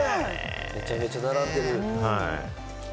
めちゃめちゃ並んでる。